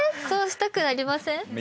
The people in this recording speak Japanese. そうしたくなりません？